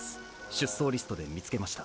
出走リストで見つけました。